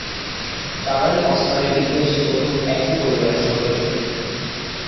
তারাই অস্কারের ইতিহাসে প্রথম একই পরিবারের সদস্য।